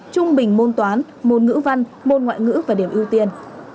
trung bình môn toán môn ngữ văn môn ngoại ngữ và điểm ưu tiên